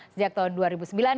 sejak tahun dua ribu sembilan